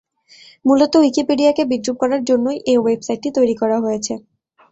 মূলত উইকিপিডিয়া-কে বিদ্রুপ করার জন্যই এই ওয়েবসাইটটি তৈরি করা হয়েছে।